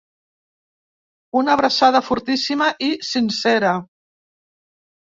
Una abraçada fortíssima i sincera.